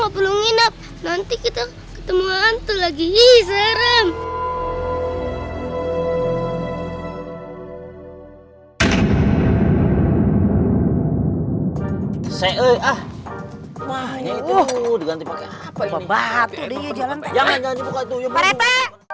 belum nginep nanti kita ketemu hantu lagi serem saya ah wah itu tuh diganti pakai apa